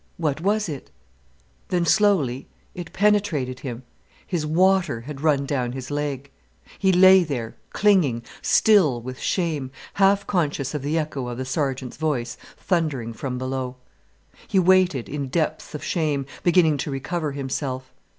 What was it? Then slowly it penetrated him. His water had run down his leg. He lay there, clinging, still with shame, half conscious of the echo of the sergeant's voice thundering from below. He waited, in depths of shame beginning to recover himself.